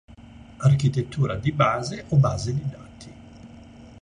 Architettura di base o base di dati